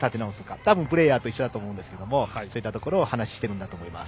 多分プレーヤーと一緒だと思いますがそういったところの話をしているんだと思います。